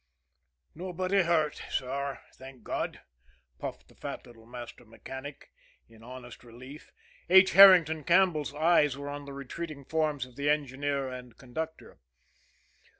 "Nobody hurt, sir thank God!" puffed the fat little master mechanic, in honest relief. H. Herrington Campbell's eyes were on the retreating forms of the engineer and conductor.